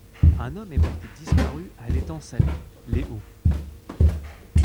Un homme est porté disparu à L'Étang-Salé — Les Hauts.